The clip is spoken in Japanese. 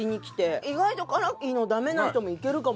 意外と辛いのダメな人もいけるかも。